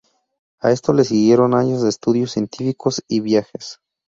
A esto le siguieron años de estudios científicos y viajes.